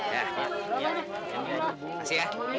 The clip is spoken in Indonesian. terima kasih ya